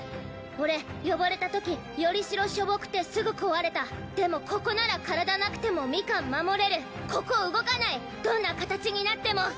俺呼ばれたときよりしろしょぼくてすぐ壊れたでもここなら体なくてもミカン守れるここ動かないどんな形になっても！